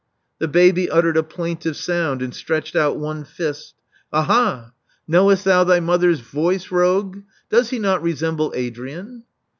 The baby uttered a plaintive sound and stretched out one fist. ''Aha! Knowest thou 400 Love Among the Artists thy mother's voice, rogue? Does he not resemble Adrian?"